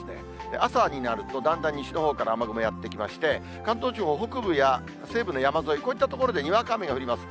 朝になると、だんだん西のほうから雨雲やって来まして、関東地方、北部や西部の山沿い、こういった所でにわか雨が降ります。